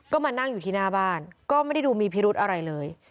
ก็มานั่งอยู่ที่หน้าบ้านก็ไม่ได้ดูมีพิรุธอะไรเลย